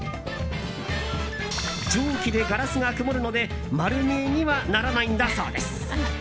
蒸気でガラスが曇るので丸見えにはならないんだそうです。